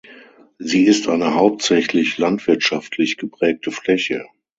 Sie ist eine hauptsächlich landwirtschaftlich geprägte Fläche.